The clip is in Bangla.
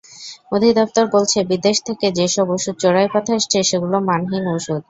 অধিদপ্তর বলছে, বিদেশ থেকে যেসব ওষুধ চোরাই পথে আসছে, সেগুলো মানহীন ওষুধ।